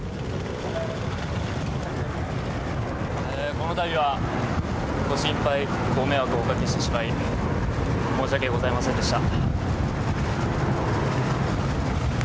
このたびはご心配ご迷惑をおかけしてしまい申し訳ございませんでした。